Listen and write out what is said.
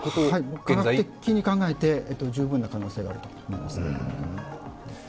科学的に考えて十分な可能性があると思いますね。